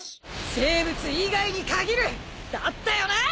生物以外に限るだったよな！